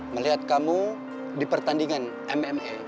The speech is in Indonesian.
melihat kamu di pertandingan mma